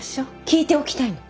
聞いておきたいの。